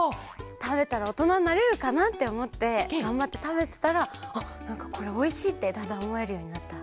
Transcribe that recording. たべたらおとなになれるかなっておもってがんばってたべてたらあっなんかこれおいしいってだんだんおもえるようになった。